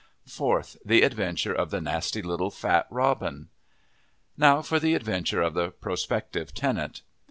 Fourth The Adventure of the Nasty Little Fat Robin. Now for the Adventure of the Prospective Tenant.